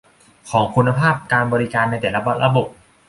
ของคุณภาพการบริการในแต่ละระบบ